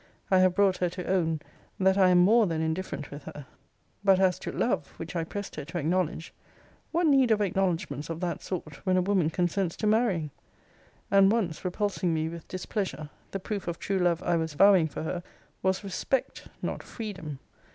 I have brought her to own, that I am more than indifferent with her: but as to LOVE, which I pressed her to acknowledge, what need of acknowledgments of that sort, when a woman consents to marrying? And once repulsing me with displeasure, the proof of true love I was vowing for her, was RESPECT, not FREEDOM.